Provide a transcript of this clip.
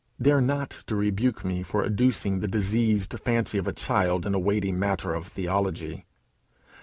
Dare not to rebuke me for adducing the diseased fancy of a child in a weighty matter of theology.